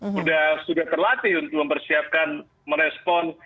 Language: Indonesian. sudah terlatih untuk mempersiapkan merespon